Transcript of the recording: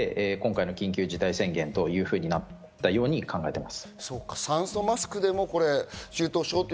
なので今回の緊急事態宣言というふうになったように考えています。